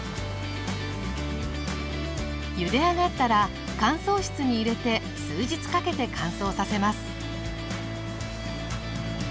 ゆで上がったら乾燥室に入れて数日かけて乾燥させます。